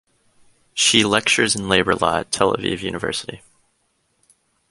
She lectures in Labor Law at Tel Aviv University.